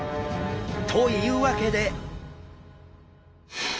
というわけで！